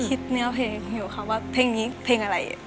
คิดเนื้อเพลงอยู่ค่ะว่าเพลงนี้เพลงอะไร